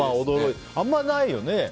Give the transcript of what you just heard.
あんまりないよね。